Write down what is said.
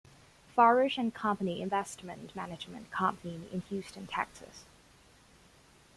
Farish and Company investment management company in Houston, Texas.